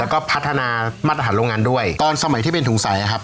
แล้วก็พัฒนามาตรฐานโรงงานด้วยตอนสมัยที่เป็นถุงใสอ่ะครับ